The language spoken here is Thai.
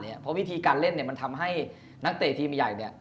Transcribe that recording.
เพราะวิธีการเล่นมันทำให้นักเตะทีมใหญ่